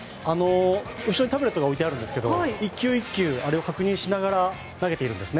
後ろにタブレットが置いてあるんですが１球１球確認しながら投げているんですね。